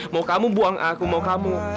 mau kamu buang aku mau kamu